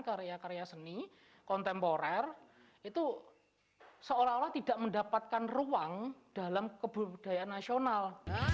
karya karya seni kontemporer itu seolah olah tidak mendapatkan ruang dalam kebudayaan nasional